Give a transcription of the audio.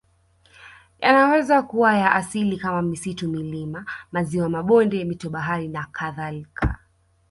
Yanaweza kuwa ya asili kama misitu milima maziwa mabonde mito bahari nakadhalka